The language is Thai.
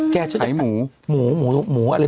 แกซ่าจะขายหมูหมูอะไรหมูทอด